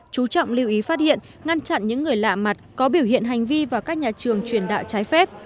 chú trọng lưu ý phát hiện ngăn chặn những người lạ mặt có biểu hiện hành vi vào các nhà trường truyền đạo trái phép